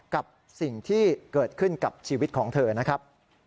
กับสิ่งที่เกิดขึ้นกับชีวิตของเธอนะครับ